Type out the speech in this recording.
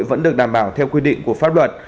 vẫn được đảm bảo theo quy định của pháp luật